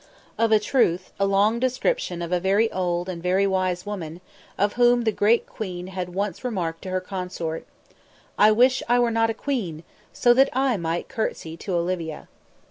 Of a truth, a long description of a very old and very wise old woman, of whom the great Queen had once remarked to her Consort: "I wish I were not a queen, so that I might curtsey to Olivia."